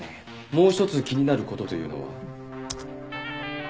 もう一つ気になる事というのは？